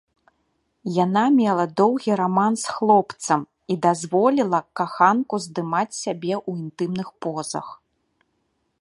Яна мела доўгі раман з хлопцам і дазволіла каханку здымаць сябе ў інтымных позах.